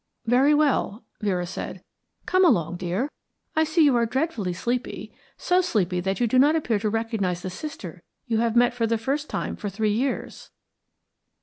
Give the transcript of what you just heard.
"Very well," Vera said. "Come along, dear, I see you are dreadfully sleepy so sleepy that you do not appear to recognise the sister you have met for the first time for three years."